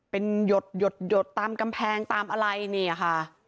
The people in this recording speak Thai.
เป็นหยดหยดตามกำแพงตามอะไรเนี่ยค่ะ